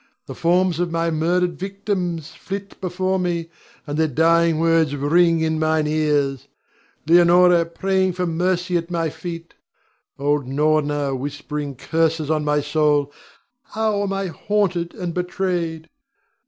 The forms of my murdered victims flit before me, and their dying words ring in mine ears, Leonore praying for mercy at my feet; old Norna whispering curses on my soul. How am I haunted and betrayed!